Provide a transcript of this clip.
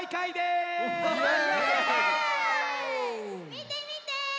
みてみて！